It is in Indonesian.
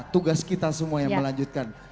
tugas kita semua yang melanjutkan